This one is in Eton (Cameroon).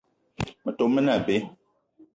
Metom me ne abe.